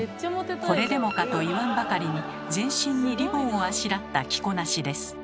これでもかと言わんばかりに全身にリボンをあしらった着こなしです。